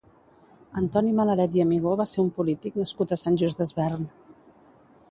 Antoni Malaret i Amigó va ser un polític nascut a Sant Just Desvern.